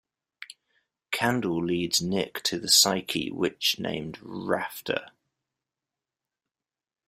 Candle leads Nick to the Psyche witch named Rafter.